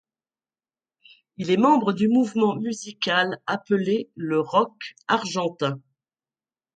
Il est membre du mouvement musical appelé le rock argentin.